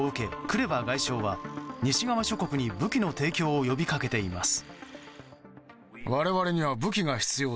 クレバ外相は西側諸国に武器の提供を呼び掛けています。